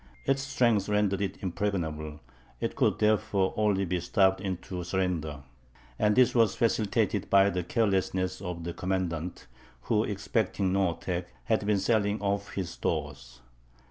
Its strength rendered it impregnable; it could, therefore, only be starved into a surrender; and this was facilitated by the carelessness of the commandant, who, expecting no attack, had been selling off his stores.